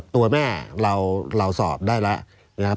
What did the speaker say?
ตัวแม่เราสอบได้แล้ว